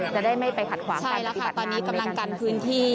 จะได้ไม่ไปขัดขวางใช่แล้วค่ะตอนนี้กำลังกันพื้นที่